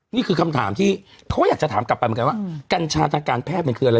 นี่คือคำถามที่เขาก็อยากจะถามกลับไปเหมือนกันว่ากัญชาทางการแพทย์มันคืออะไร